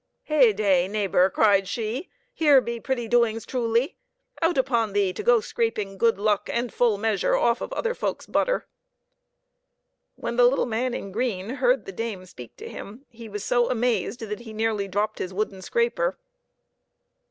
" Hey day, neighbor!" cried she, "here be pretty doings, truly ! Out upon thee, to go scraping good luck and full measure off of other folk's butter !" 38 PEPPER AND SALT. When the little man in green heard the dame speak to him, he was so amazed that he nearly dropped his wooden scraper.